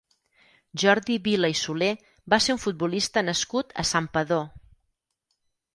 Jordi Vila i Soler va ser un futbolista nascut a Santpedor.